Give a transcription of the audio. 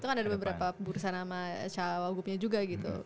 ada beberapa bursa nama cowok gupnya juga